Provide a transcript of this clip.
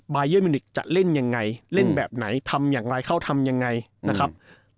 เยอร์มิวนิกจะเล่นยังไงเล่นแบบไหนทำอย่างไรเขาทำยังไงนะครับ